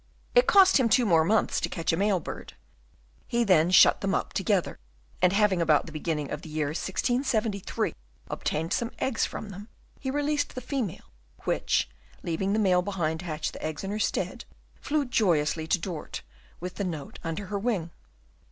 It cost him two more months to catch a male bird; he then shut them up together, and having about the beginning of the year 1673 obtained some eggs from them, he released the female, which, leaving the male behind to hatch the eggs in her stead, flew joyously to Dort, with the note under her wing.